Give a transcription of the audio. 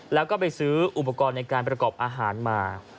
แล้วก็ไปซื้ออุปกรณ์ในการประกอบอาหารมา